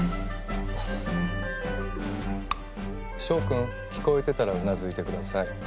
翔くん聞こえてたらうなずいてください。